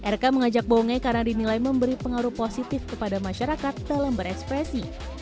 rk mengajak bonge karena dinilai memberi pengaruh positif kepada masyarakat dalam berekspresi